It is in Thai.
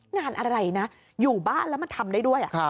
งานอะไรนะอยู่บ้านแล้วมาทำได้ด้วย